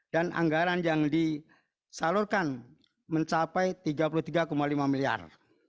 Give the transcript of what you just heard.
dan anggaran yang disalurkan mencapai tiga puluh tiga lima miliar